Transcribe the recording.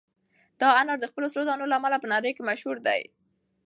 دا انار د خپلو سرو دانو له امله په نړۍ کې مشهور دي.